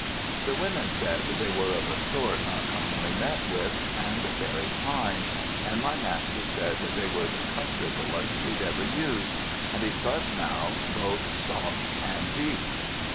The women said they were of a sort not commonly met with and very fine, and my master said they were the comfortablest he ever used, and he slept now both soft and deep.